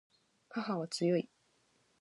母は強い